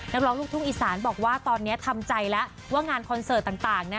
นักร้องลูกทุ่งอีสานบอกว่าตอนนี้ทำใจแล้วว่างานคอนเสิร์ตต่างนะ